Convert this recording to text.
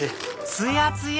つやつや！